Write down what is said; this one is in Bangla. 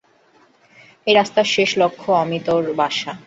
এ রাস্তার শেষ লক্ষ্য অমিতর বাসা।